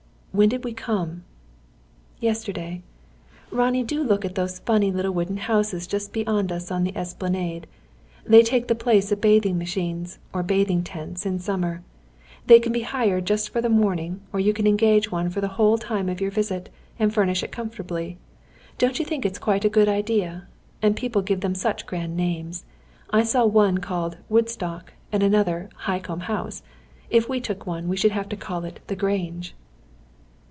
"When did we come?" "Yesterday. Ronnie, do look at those funny little wooden houses just beyond us on the esplanade. They take the place of bathing machines, or bathing tents, in summer. They can be hired just for the morning, or you can engage one for the whole time of your visit, and furnish it comfortably. Don't you think it is quite a good idea? And people give them such grand names. I saw one called 'Woodstock,' and another 'Highcombe House.' If we took one, we should have to call it 'The Grange.'"